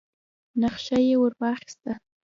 نخشه يې ور واخيسه.